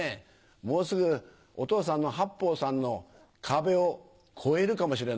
もうすぐお父さんの八方さんの壁を越えるかもしれないね。